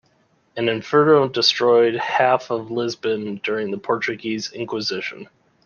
An inferno destroyed half of Lisbon during the Portuguese inquisition.